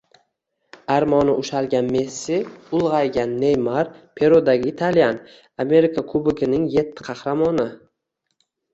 Armoni ushalgan Messi, ulg‘aygan Neymar, Perudagi italyan. Amerika Kuboginingyettiqahramoni